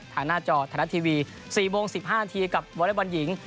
อาหารหน้าจอธนัดทีวี๔โมง๑๕นาทีกับวอเลสต์วันหญิง